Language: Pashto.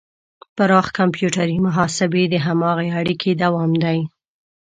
پراخ کمپیوټري محاسبې د هماغې اړیکې دوام دی.